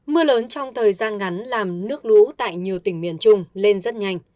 mưa lớn trong thời gian ngắn làm nước lũ tại nhiều tỉnh miền trung lên rất nhanh